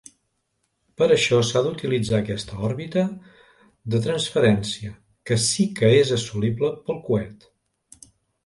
Per això s'ha d'utilitzar aquesta òrbita de transferència, que sí que és assolible pel coet.